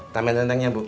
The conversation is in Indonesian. tambah dendengnya bu